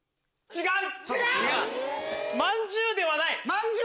違う？